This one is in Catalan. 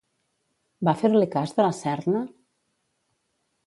Va fer-li cas De la Serna?